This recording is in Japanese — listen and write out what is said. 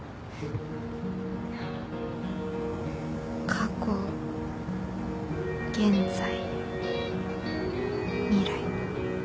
過去現在未来。